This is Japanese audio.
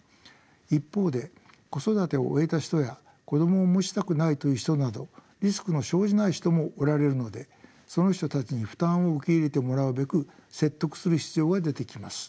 一方で子育てを終えた人や子どもを持ちたくないという人などリスクの生じない人もおられるのでその人たちに負担を受け入れてもらうべく説得する必要が出てきます。